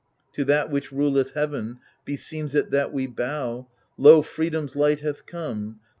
To that which ruleth heaven beseems it that we bow Lo, freedom's light hath come